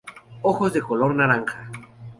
Ojos de color naranja.